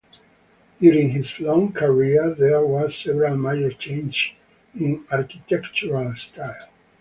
During his long career there were several major changes in architectural style.